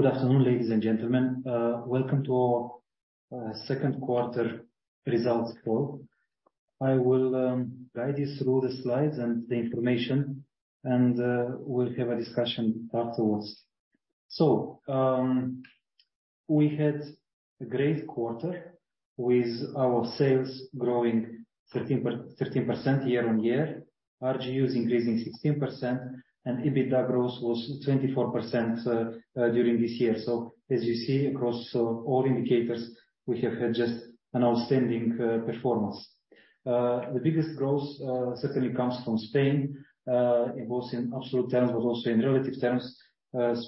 Good afternoon, ladies and gentlemen. Welcome to Our Second Quarter Results Call. I will guide you through the slides and the information, and we'll have a discussion afterwards. We had a great quarter with our sales growing 13% year-on-year, RGUs increasing 16%, and EBITDA growth was 24% during this year. As you see, across all indicators, we have had just an outstanding performance. The biggest growth certainly comes from Spain. It was in absolute terms, but also in relative terms,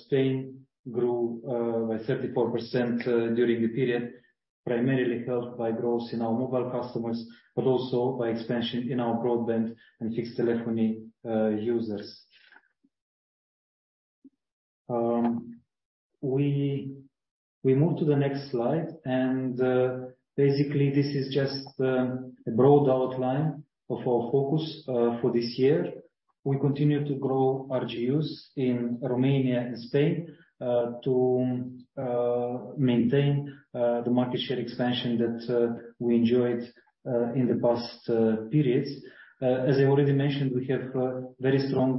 Spain grew by 34% during the period, primarily helped by growth in our mobile customers, but also by expansion in our broadband and fixed telephony users. We, we move to the next slide, basically, this is just a broad outline of our focus for this year. We continue to grow RGUs in Romania and Spain, to maintain the market share expansion that we enjoyed in the past periods. As I already mentioned, we have very strong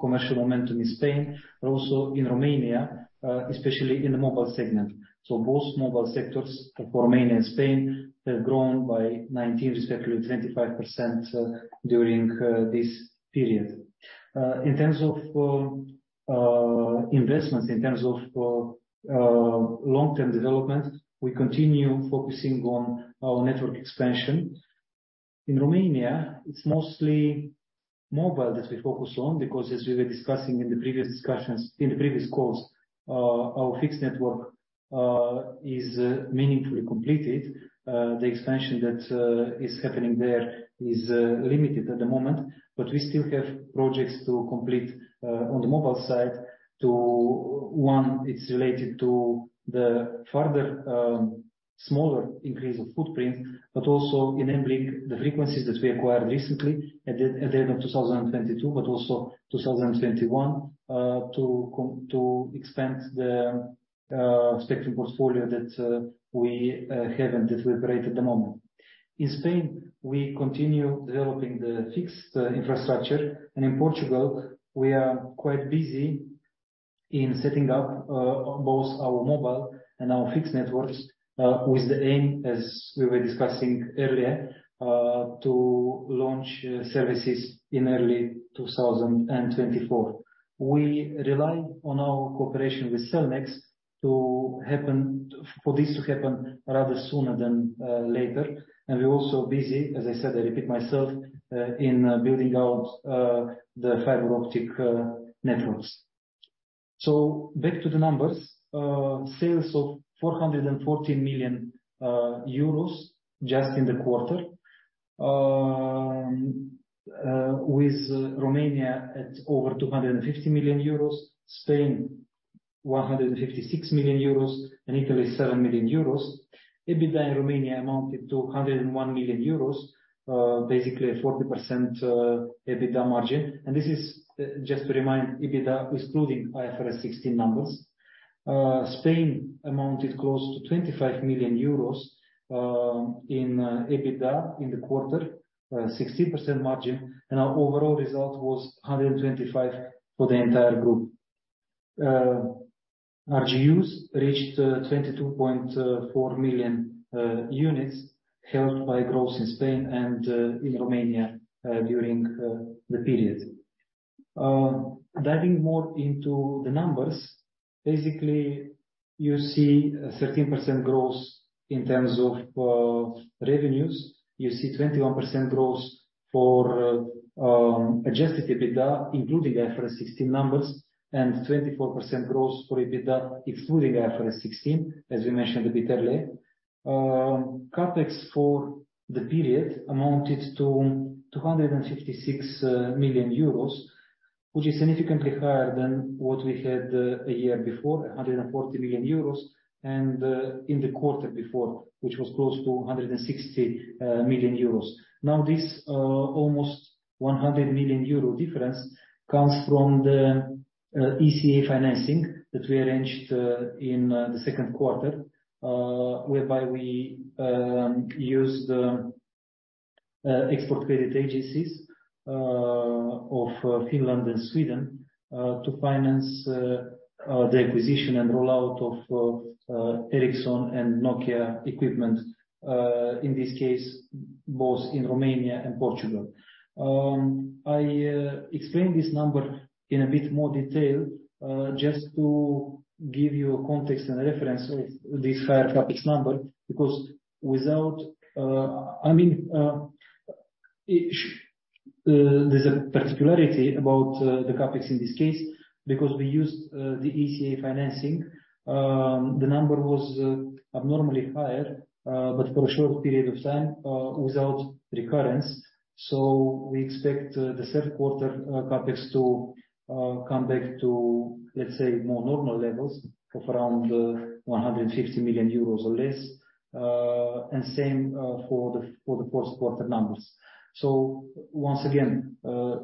commercial momentum in Spain, but also in Romania, especially in the mobile segment. Both mobile sectors for Romania and Spain have grown by 19%, respectively 25%, during this period. In terms of investments, in terms of long-term development, we continue focusing on our network expansion. In Romania, it's mostly mobile that we focus on, because as we were discussing in the previous discussions, in the previous calls, our fixed network is meaningfully completed. The expansion that is happening there is limited at the moment, but we still have projects to complete on the mobile side to one, it's related to the further smaller increase of footprint, but also enabling the frequencies that we acquired recently at the end of 2022, but also 2021, to expand the spectrum portfolio that we have and that we operate at the moment. In Spain, we continue developing the fixed infrastructure, and in Portugal, we are quite busy in setting up both our mobile and our fixed networks with the aim, as we were discussing earlier, to launch services in early 2024. We rely on our cooperation with Cellnex to happen, for this to happen rather sooner than later. We're also busy, as I said, I repeat myself, in building out the fiber optic networks. Back to the numbers. Sales of 414 million euros just in the quarter. With Romania at over 250 million euros, Spain 156 million euros, and Italy, 7 million euros. EBITDA in Romania amounted to 101 million euros, basically a 40% EBITDA margin. This is, just to remind, EBITDA excluding IFRS 16 numbers. Spain amounted close to 25 million euros in EBITDA in the quarter, 60% margin, and our overall result was 125 for the entire group. RGUs reached 22.4 million units, helped by growth in Spain and in Romania during the period. Diving more into the numbers, basically, you see a 13% growth in terms of revenues. You see 21% growth for adjusted EBITDA, including IFRS 16 numbers, and 24% growth for EBITDA, excluding IFRS 16, as we mentioned a bit earlier. CapEx for the period amounted to 266 million euros, which is significantly higher than what we had a year before, 140 million euros, and in the quarter before, which was close to 160 million euros. This almost 100 million euro difference comes from the ECA financing that we arranged in the second quarter, whereby we used export credit agencies of Finland and Sweden to finance the acquisition and rollout of Ericsson and Nokia equipment in this case, both in Romania and Portugal. I explain this number in a bit more detail, just to give you a context and a reference of this higher CapEx number, because without... I mean, it, there's a particularity about the CapEx in this case, because we used the ECA financing. The number was abnormally higher, but for a short period of time, without recurrence. We expect the third quarter CapEx to come back to, let's say, more normal levels of around 150 million euros or less. Same for the fourth quarter numbers. Once again,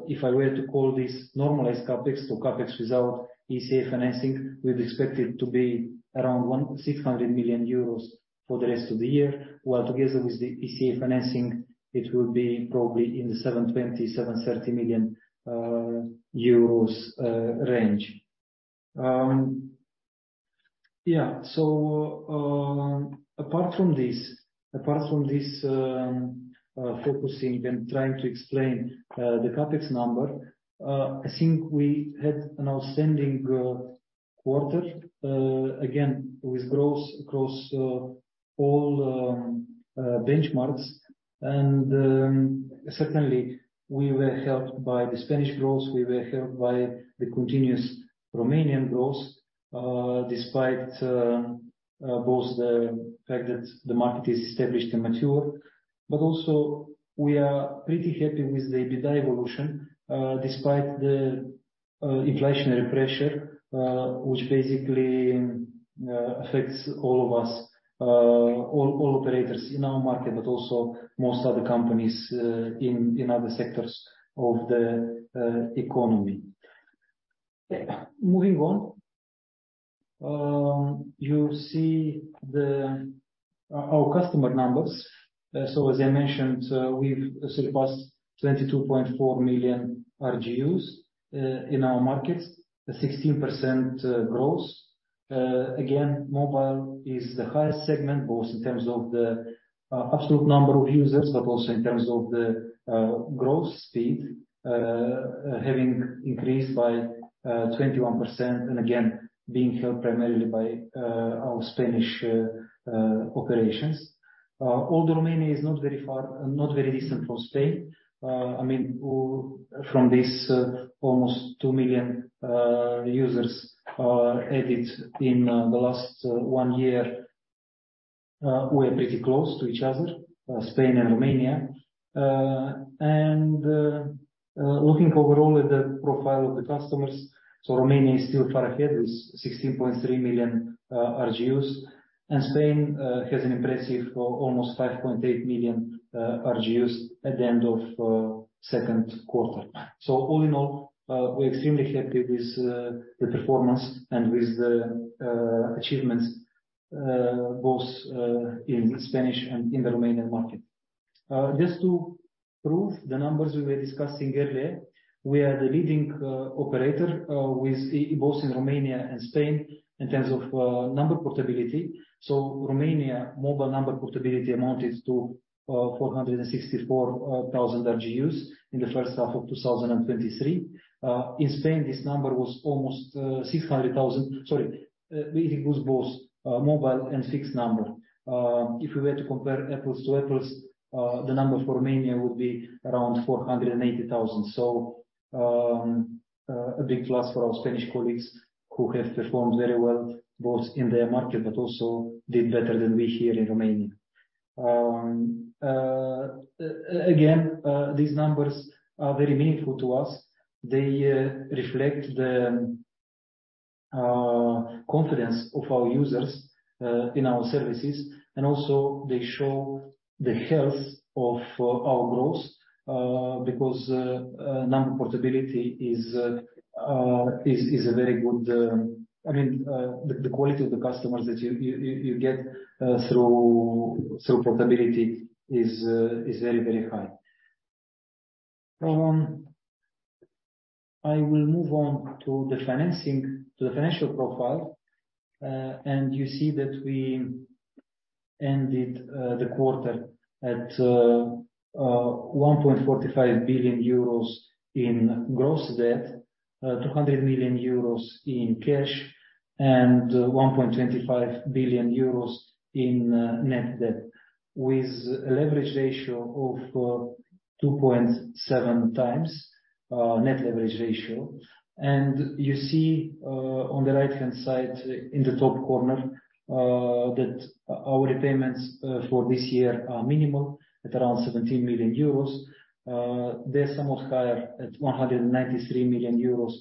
if I were to call this normalized CapEx or CapEx without ECA financing, we've expected to be around 600 million euros for the rest of the year. While together with the ECA financing, it will be probably in the 720 million-730 million euros range. Yeah, apart from this, apart from this, focusing and trying to explain the CapEx number, I think we had an outstanding quarter again, with growth across all benchmarks. Certainly, we were helped by the Spanish growth, we were helped by the continuous Romanian growth, despite both the fact that the market is established and mature, but also we are pretty happy with the EBITDA evolution, despite the inflationary pressure, which basically affects all of us, all, all operators in our market, but also most other companies in other sectors of the economy. Yeah, moving on. You see the our customer numbers. So as I mentioned, we've surpassed 22.4 million RGUs in our markets, a 16% growth. Again, mobile is the highest segment, both in terms of the absolute number of users, but also in terms of the growth speed, having increased by 21%, again being helped primarily by our Spanish operations. Although Romania is not very far, not very distant from Spain, I mean, from this almost 2 million users added in the last one year, we are pretty close to each other, Spain and Romania. Looking overall at the profile of the customers, Romania is still far ahead with 16.3 million RGUs, and Spain has an impressive almost 5.8 million RGUs at the end of second quarter. All in all, we're extremely happy with the performance and with the achievements, both in Spanish and in the Romanian market. Just to prove the numbers we were discussing earlier, we are the leading operator with both in Romania and Spain, in terms of number portability. Romania, mobile number portability amounted to 464,000 RGUs in the first half of 2023. In Spain, this number was almost 600,000. Sorry, it was both mobile and fixed number. If we were to compare apples to apples, the number for Romania would be around 480,000. A big plus for our Spanish colleagues, who have performed very well, both in their market, but also did better than we here in Romania. Again, these numbers are very meaningful to us. They reflect the confidence of our users in our services, and also they show the health of our growth because number portability is a very good... I mean, the quality of the customers that you get through portability is very, very high. I will move on to the financing, to the financial profile, and you see that we ended the quarter at 1.45 billion euros in gross debt, 200 million euros in cash, and 1.25 billion euros in net debt, with a leverage ratio of 2.7 times net leverage ratio. You see, on the right-hand side, in the top corner, that our repayments for this year are minimal, at around 17 million euros. They're somewhat higher, at 193 million euros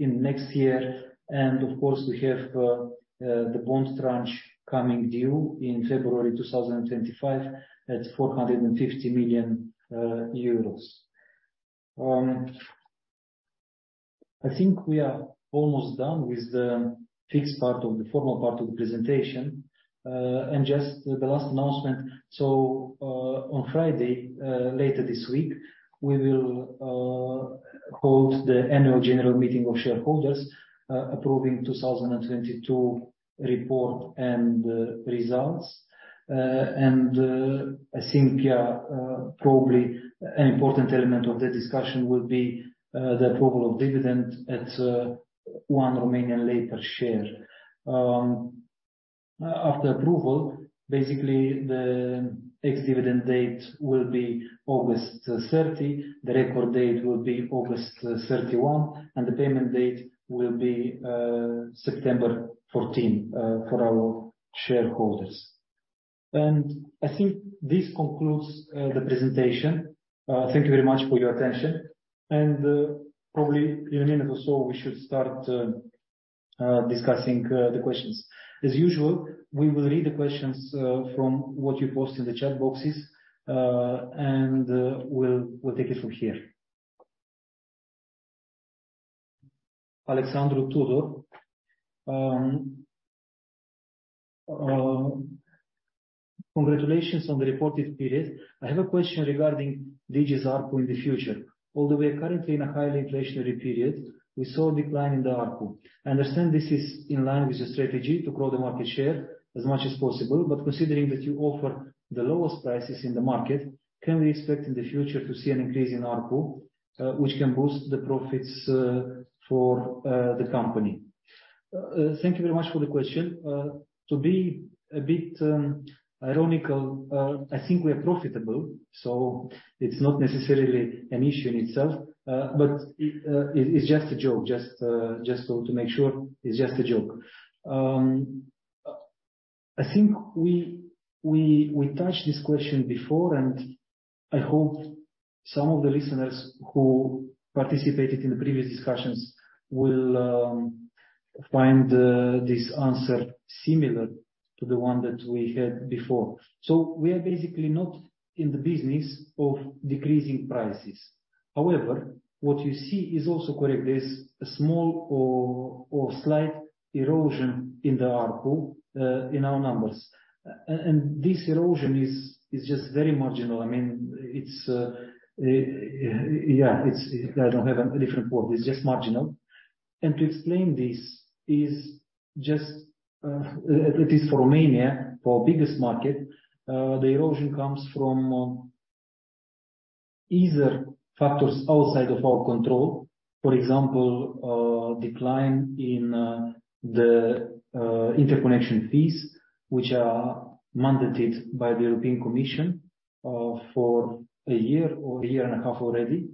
in next year. Of course, we have the bonds tranche coming due in February 2025, at EUR 450 million. I think we are almost done with the fixed part of the formal part of the presentation. Just the last announcement, on Friday, later this week, we will hold the annual general meeting of shareholders, approving 2022 report and results. I think, yeah, probably an important element of the discussion will be the approval of dividend at 1 Romanian lei per share. After approval, basically, the ex-dividend date will be August 30, the record date will be August 31, and the payment date will be September 14 for our shareholders. I think this concludes the presentation. Thank you very much for your attention. Probably in a minute or so, we should start discussing the questions. As usual, we will read the questions from what you post in the chat boxes, and we'll, we'll take it from here. Alexandru Tudor, congratulations on the reported period. I have a question regarding Digi's ARPU in the future. Although we are currently in a highly inflationary period, we saw a decline in the ARPU. I understand this is in line with the strategy to grow the market share as much as possible, but considering that you offer the lowest prices in the market, can we expect in the future to see an increase in ARPU, which can boost the profits for the company? Thank you very much for the question. To be a bit ironical, I think we are profitable, so it's not necessarily an issue in itself, but it, it's just a joke. Just, just so to make sure, it's just a joke. I think we, we, we touched this question before, and I hope some of the listeners who participated in the previous discussions will find this answer similar to the one that we had before. We are basically not in the business of decreasing prices. However, what you see is also correct. There's a small or, or slight erosion in the ARPU in our numbers. This erosion is, is just very marginal. I mean, it's, yeah, I don't have a different word. It's just marginal. To explain this is just, at least for Romania, our biggest market, the erosion comes from either factors outside of our control, for example, decline in the interconnection fees, which are mandated by the European Commission for a year or a year and a half already.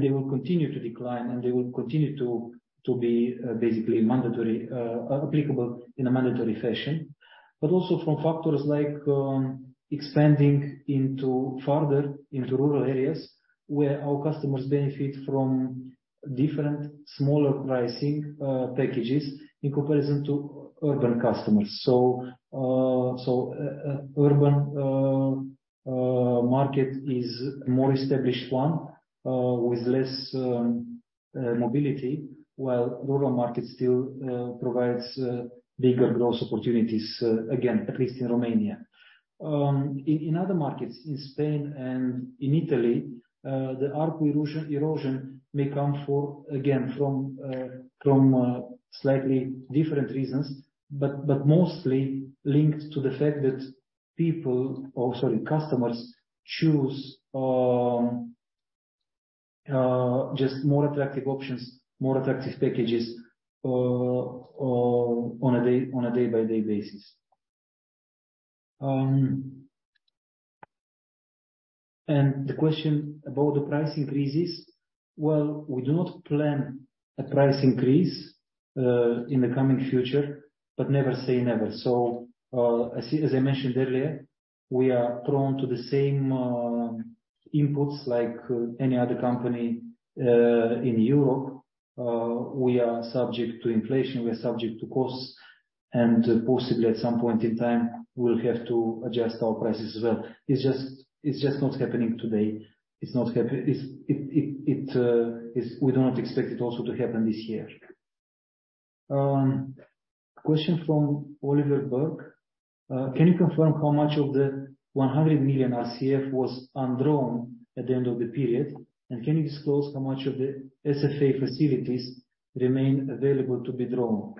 They will continue to decline, and they will continue to be basically mandatory, applicable in a mandatory fashion, but also from factors like expanding into farther into rural areas, where our customers benefit from different, smaller pricing packages in comparison to urban customers. Urban market is a more established one with less mobility, while rural market still provides bigger growth opportunities, again, at least in Romania., in Spain and in Italy, the ARPU erosion may come for, again, from slightly different reasons, but mostly linked to the fact that people, or sorry, customers, choose just more attractive options, more attractive packages on a day-by-day basis. The question about the price increases, well, we do not plan a price increase in the coming future, but never say never. As I mentioned earlier, we are prone to the same inputs like any other company in Europe. We are subject to inflation, we are subject to costs, and possibly at some point in time, we'll have to adjust our prices as well. It's just, it's just not happening today. It's not happen... It's, it, it, it, is- we do not expect it also to happen this year. Question from Oliver Burke. Can you confirm how much of the 100 million RCF was undrawn at the end of the period? Can you disclose how much of the SFA facilities remain available to be drawn?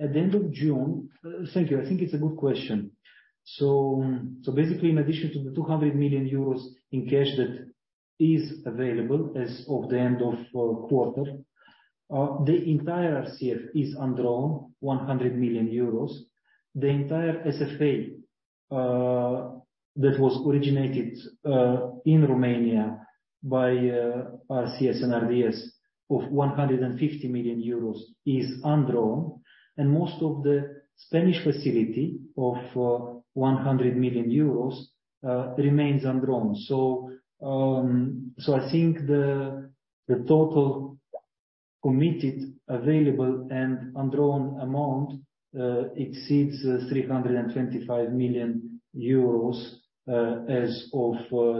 At the end of June. Thank you. I think it's a good question. Basically, in addition to the 200 million euros in cash that is available as of the end of quarter, the entire RCF is undrawn, 100 million euros. The entire SFA that was originated in Romania by RCS & RDS of 150 million euros, is undrawn, and most of the Spanish facility of 100 million euros remains undrawn. I think the total committed, available, and undrawn amount exceeds 325 million euros as of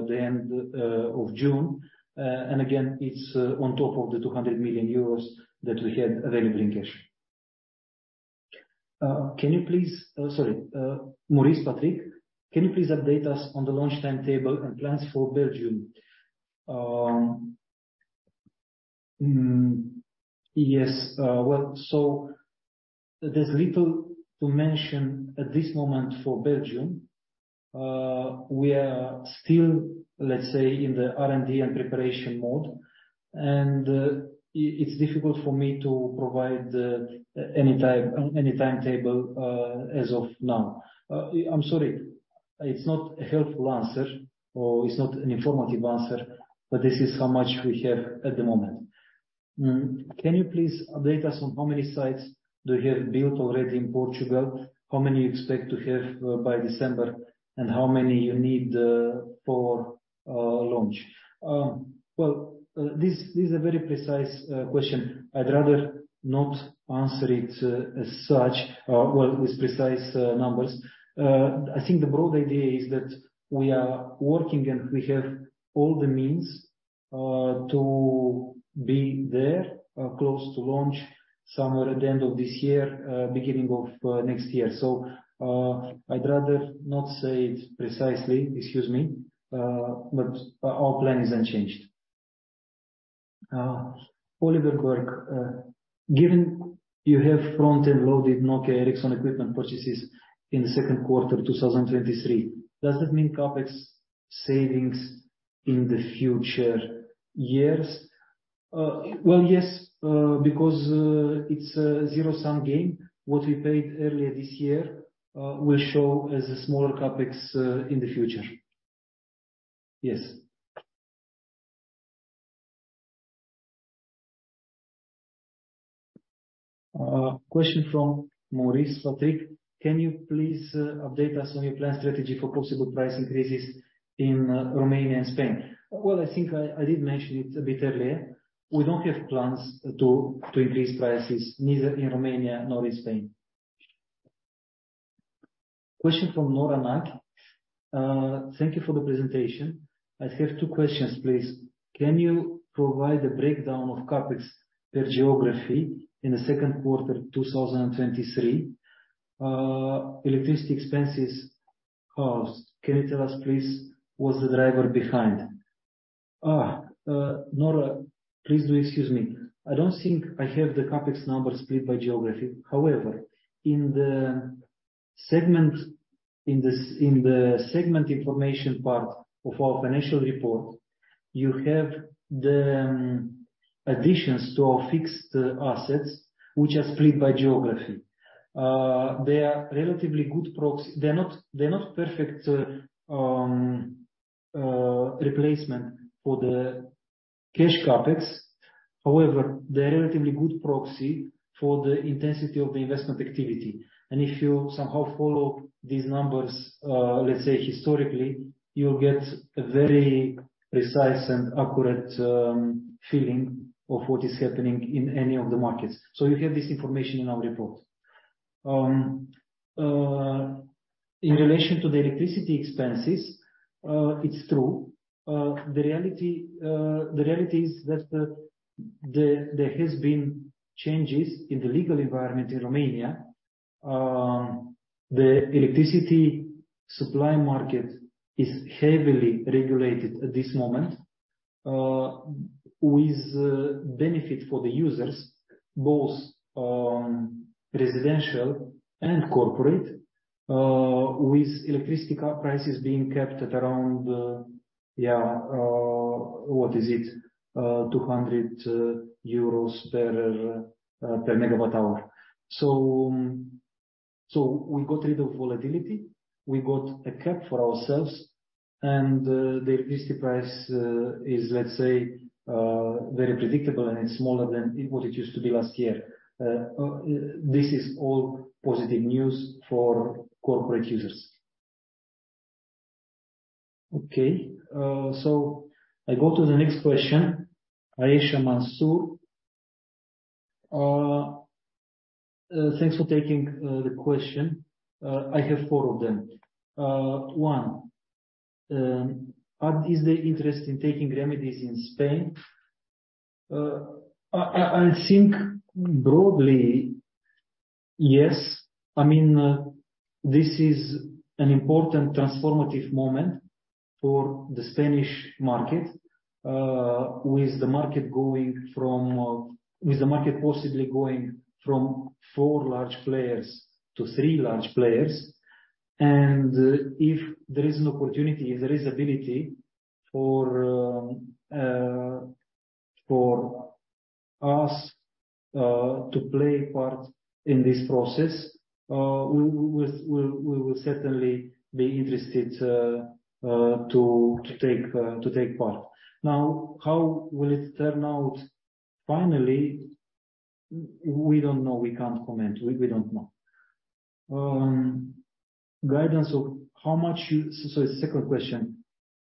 the end of June. Again, it's on top of the 200 million euros that we had available in cash. Can you please, sorry, Maurice Patrick, can you please update us on the launch timetable and plans for Belgium? Yes. There's little to mention at this moment for Belgium. We are still, let's say, in the R&D and preparation mode, and it's difficult for me to provide any time, any timetable as of now. I'm sorry, it's not a helpful answer, or it's not an informative answer, but this is how much we have at the moment. Can you please update us on how many sites do you have built already in Portugal? How many you expect to have by December, and how many you need for launch? Well, this, this is a very precise question. I'd rather not answer it as such, well, with precise numbers. I think the broad idea is that we are working, and we have all the means to be there close to launch somewhere at the end of this year, beginning of next year. I'd rather not say it precisely, excuse me, but our plan is unchanged. Oliver Burke, given you have front and loaded Nokia Ericsson equipment purchases in the second quarter of 2023, does that mean CapEx savings in the future years? Well, yes, because, it's a zero-sum game. What we paid earlier this year, will show as a smaller CapEx in the future. Yes. Question from Maurice Patrick: Can you please update us on your plan strategy for possible price increases in Romania and Spain? Well, I think I, I did mention it a bit earlier. We don't have plans to, to increase prices, neither in Romania nor in Spain. Question from Nora Mack: Thank you for the presentation. I have two questions, please. Can you provide a breakdown of CapEx per geography in the second quarter 2023? Electricity expenses costs, can you tell us, please, what's the driver behind? Nora, please do excuse me. I don't think I have the CapEx numbers split by geography. However, in the segment, in the in the segment information part of our financial report, you have the additions to our fixed assets, which are split by geography. They are relatively good proxy. They're not, they're not perfect replacement for the cash CapEx. However, they're a relatively good proxy for the intensity of the investment activity. If you somehow follow these numbers, let's say, historically, you'll get a very precise and accurate feeling of what is happening in any of the markets. You have this information in our report. In relation to the electricity expenses, it's true. The reality, the reality is that there has been changes in the legal environment in Romania. The electricity supply market is heavily regulated at this moment, with benefit for the users, both, residential and corporate, with electricity prices being kept at around 200 euros per megawatt hour. We got rid of volatility, we got a cap for ourselves, and the electricity price is very predictable and it's smaller than what it used to be last year. This is all positive news for corporate users. I go to the next question. Ayesha Mansour, thanks for taking the question. I have 4 of them. One, is there interest in taking remedies in Spain? I think broadly, yes. I mean, this is an important transformative moment for the Spanish market, with the market going from... with the market possibly going from 4 large players to 3 large players. If there is an opportunity, if there is ability for, for us, to play a part in this process, we, we, we, we will certainly be interested, to, to take, to take part. Now, how will it turn out finally? We don't know. We can't comment. We, we don't know. Second question: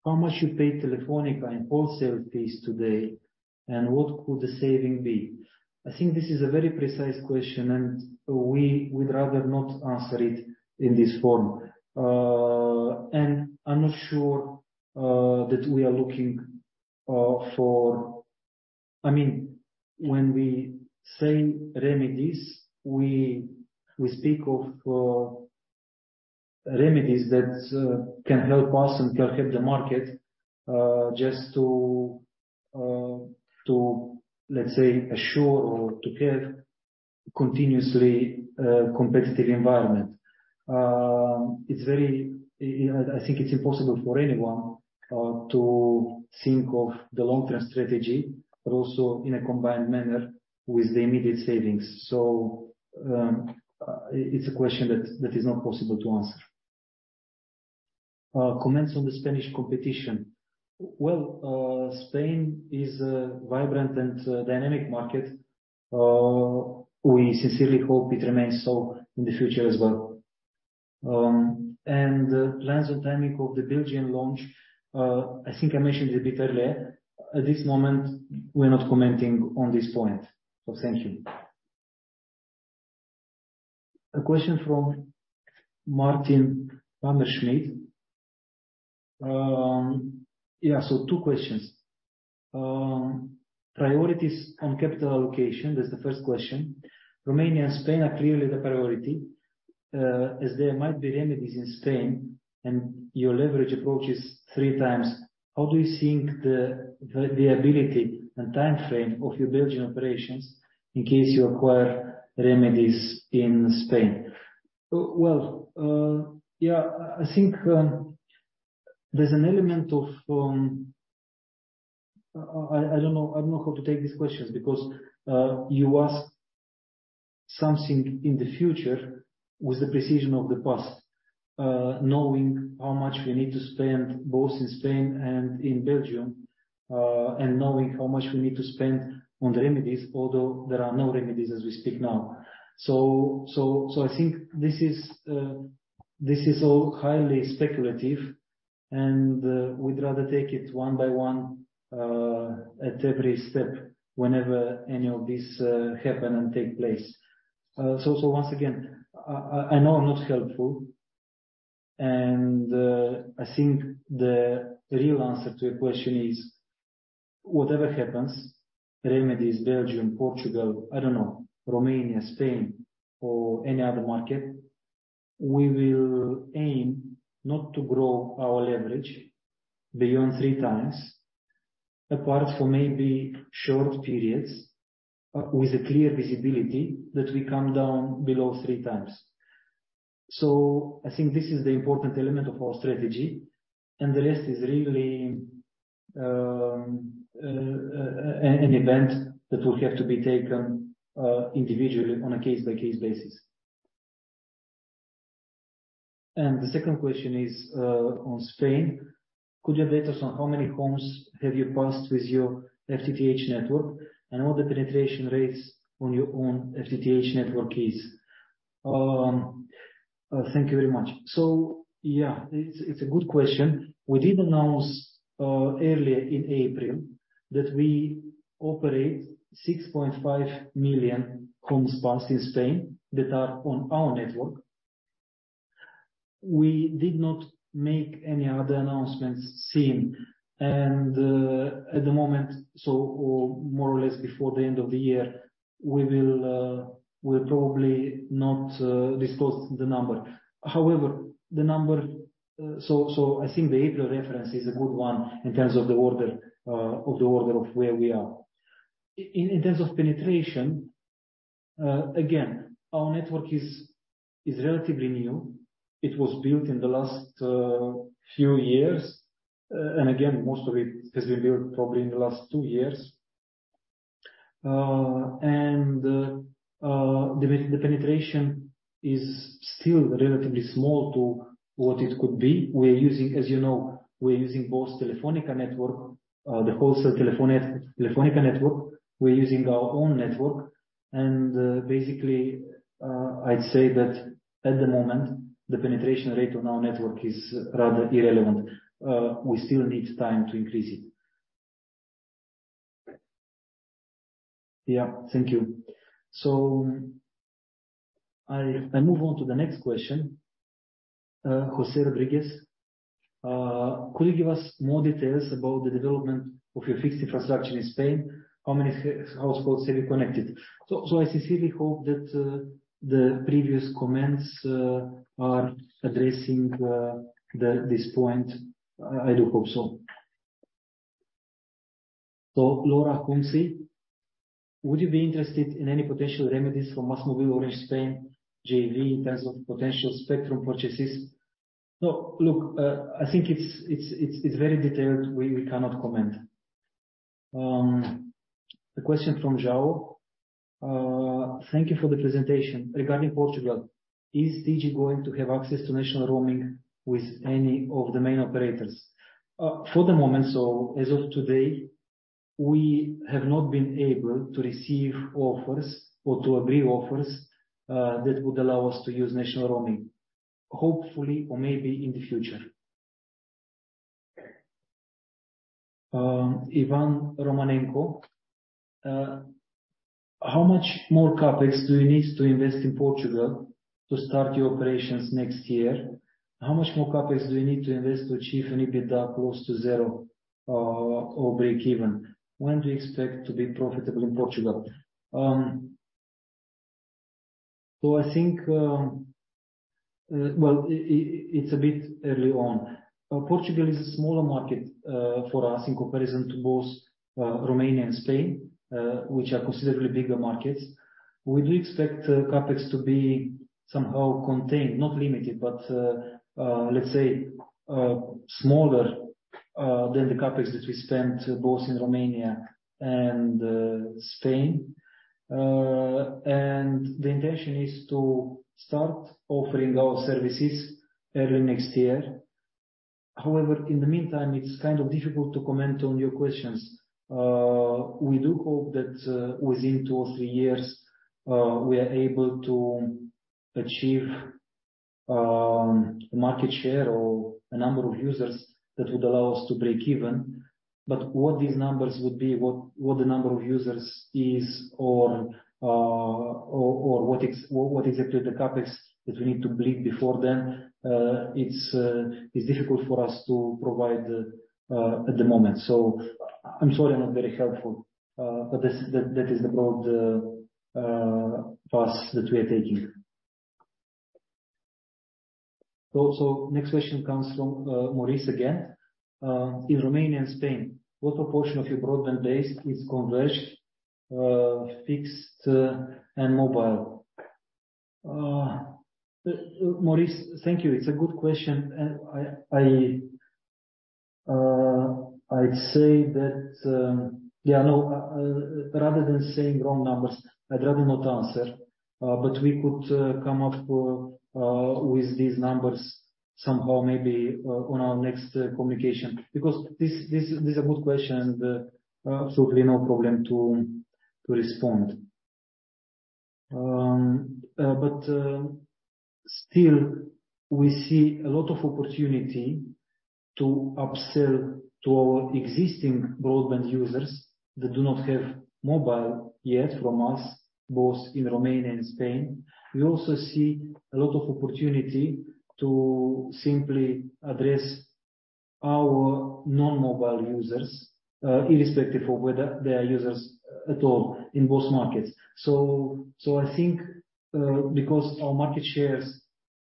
How much you pay Telefonica in wholesale fees today, and what could the saving be? I think this is a very precise question, and we would rather not answer it in this form. I'm not sure that we are looking for... I mean, when we say remedies, we, we speak of remedies that can help us and can help the market just to, to, let's say, assure or to have continuously competitive environment. It's very, I think it's impossible for anyone to think of the long-term strategy, but also in a combined manner with the immediate savings. It's a question that, that is not possible to answer. Comments on the Spanish competition. Well, Spain is a vibrant and dynamic market. We sincerely hope it remains so in the future as well. Plans and timing of the Belgian launch, I think I mentioned a bit earlier, at this moment, we're not commenting on this point. Thank you. A question from Martin Hammerschmidt. Yeah, two questions. Priorities on capital allocation, that's the first question. Romania and Spain are clearly the priority, as there might be remedies in Spain, your leverage approach is three times. How do you think the ability and time frame of your Belgian operations in case you acquire remedies in Spain? Well, yeah, I think there's an element of... I don't know, I don't know how to take these questions because you ask something in the future with the precision of the past. Knowing how much we need to spend both in Spain and in Belgium, knowing how much we need to spend on the remedies, although there are no remedies as we speak now. I think this is, this is all highly speculative, and we'd rather take it one by one, at every step, whenever any of these happen and take place. Once again, I, I, I know I'm not helpful, and I think the real answer to your question is: whatever happens, remedies, Belgium, Portugal, I don't know, Romania, Spain, or any other market, we will aim not to grow our leverage beyond three times, apart for maybe short periods, with a clear visibility that we come down below three times. I think this is the important element of our strategy, and the rest is really, an event that will have to be taken individually on a case-by-case basis. The second question is on Spain. Could you update us on how many homes have you passed with your FTTH network, and what the penetration rates on your own FTTH network is? Thank you very much. Yeah, it's a good question. We did announce earlier in April that we operate 6.5 million homes passed in Spain that are on our network. We did not make any other announcements since, at the moment, or more or less before the end of the year, we will probably not disclose the number. However, the number. I think the April reference is a good one in terms of the order of where we are. In terms of penetration, again, our network is relatively new. It was built in the last few years, and again, most of it has been built probably in the last 2 years. The penetration is still relatively small to what it could be. We're using, as you know, we're using both Telefónica network, the wholesale Telefónica network. We're using our own network, and basically, I'd say that at the moment, the penetration rate on our network is rather irrelevant. We still need time to increase it. Yeah, thank you. I move on to the next question. José Rodriguez, could you give us more details about the development of your fixed infrastructure in Spain? How many households have you connected? I sincerely hope that the previous comments are addressing this point. I, I do hope so. Laura Kunsey, would you be interested in any potential remedies from MásMóvill Orange Spain JV in terms of potential spectrum purchases? No, look, I think it's, it's, it's, it's very detailed. We, we cannot comment. A question from João. Thank you for the presentation. Regarding Portugal, is Digi going to have access to national roaming with any of the main operators? For the moment, so as of today, we have not been able to receive offers or to agree offers that would allow us to use national roaming. Hopefully, or maybe in the future. Ivan Romanenko, how much more CapEx do you need to invest in Portugal to start your operations next year? How much more CapEx do you need to invest to achieve an EBITDA close to 0 or break even? When do you expect to be profitable in Portugal? I think, well, it's a bit early on. Portugal is a smaller market for us in comparison to both Romania and Spain, which are considerably bigger markets. We do expect CapEx to be somehow contained, not limited, but, let's say, smaller than the CapEx that we spent both in Romania and Spain. The intention is to start offering our services early next year. However, in the meantime, it's kind of difficult to comment on your questions. We do hope that within 2 or 3 years, we are able to achieve market share or a number of users that would allow us to break even. What these numbers would be, what, what the number of users is or, or, what exactly the CapEx that we need to break before then, it's, it's difficult for us to provide at the moment. I'm sorry, I'm not very helpful, but this is the, that is the broad path that we are taking. Next question comes from Maurice again. "In Romania and Spain, what proportion of your broadband base is converged, fixed, and mobile?" Maurice, thank you. It's a good question, and I, I, I'd say that, yeah, no, rather than saying wrong numbers, I'd rather not answer. We could come up with these numbers somehow, maybe on our next communication. This, this is a good question, and absolutely no problem to, to respond. Still, we see a lot of opportunity to upsell to our existing broadband users that do not have mobile yet from us, both in Romania and Spain. We also see a lot of opportunity to simply address our non-mobile users, irrespective of whether they are users at all in both markets. I think, because our market shares,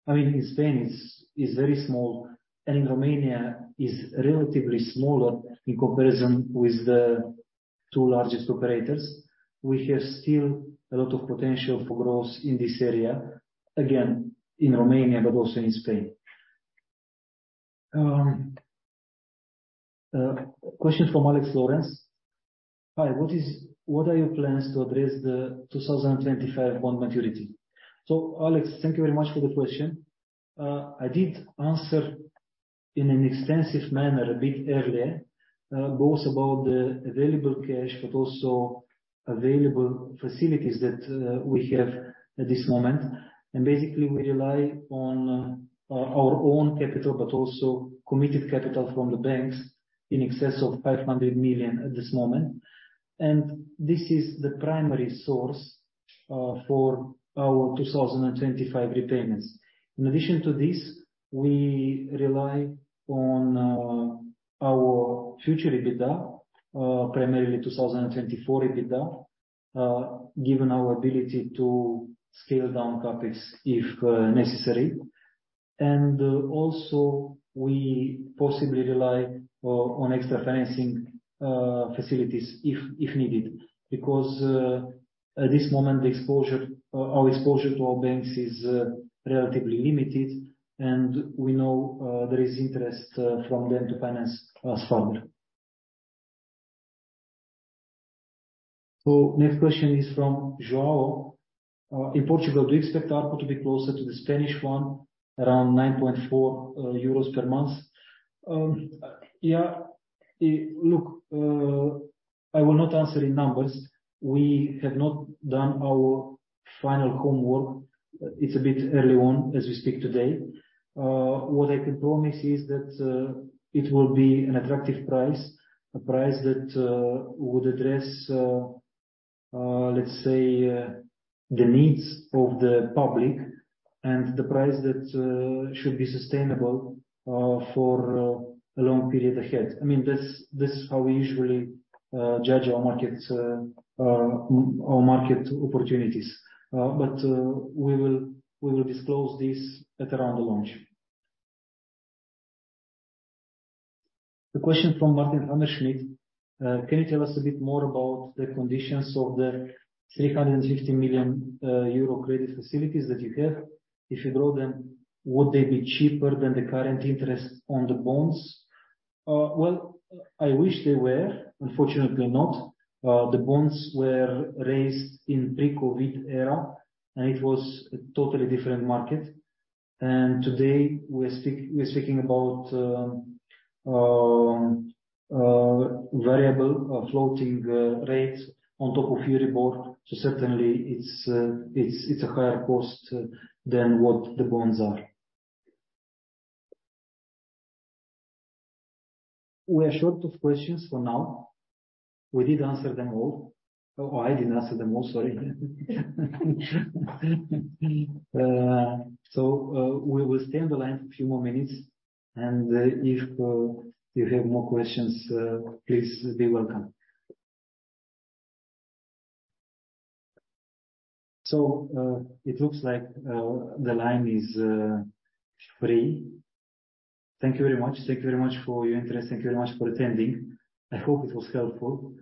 I mean, in Spain, is very small, and in Romania is relatively smaller in comparison with the two largest operators. We have still a lot of potential for growth in this area, again, in Romania, but also in Spain. Question from Alex Lawrence: "Hi, what is- what are your plans to address the 2025 bond maturity? Alex, thank you very much for the question. I did answer in an extensive manner a bit earlier, both about the available cash, but also available facilities that we have at this moment. Basically, we rely on our own capital, but also committed capital from the banks in excess of 500 million at this moment, and this is the primary source for our 2025 repayments. In addition to this, we rely on our future EBITDA, primarily 2024 EBITDA, given our ability to scale down CapEx, if necessary. Also, we possibly rely on, on extra financing facilities, if, if needed, because at this moment, the exposure, our exposure to our banks is relatively limited, and we know there is interest from them to finance us further. Next question is from João. "In Portugal, do you expect ARPU to be closer to the Spanish one, around 9.4 euros per month?" Yeah, look, I will not answer in numbers. We have not done our final homework. It's a bit early on, as we speak today. What I can promise is that it will be an attractive price, a price that would address, let's say, the needs of the public and the price that should be sustainable for a long period ahead. I mean, this, this is how we usually judge our markets, our market opportunities. We will, we will disclose this at around the launch. The question from Martin Hammerschmidt: "Can you tell us a bit more about the conditions of the 350 million euro credit facilities that you have? If you grow them, would they be cheaper than the current interest on the bonds?" Well, I wish they were, unfortunately not. The bonds were raised in pre-COVID era, and it was a totally different market. Today, we're speaking about variable floating rates on top of EURIBOR. Certainly, it's, it's a higher cost than what the bonds are. We are short of questions for now. We did answer them all, or I didn't answer them all, sorry. We will stay on the line for a few more minutes, and if you have more questions, please be welcome. It looks like the line is free. Thank you very much. Thank you very much for your interest. Thank you very much for attending. I hope it was helpful.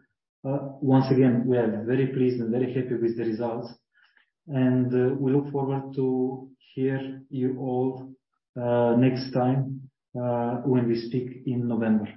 Once again, we are very pleased and very happy with the results, and we look forward to hear you all next time when we speak in November.